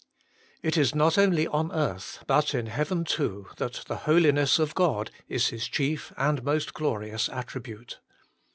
IT is not only on earth, but in heaven too, that the Holiness of God is His chief and most glorious attribute.